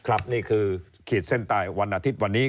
นี่คือขีดเส้นใต้วันอาทิตย์วันนี้